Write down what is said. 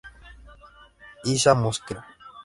Isa Mosquera.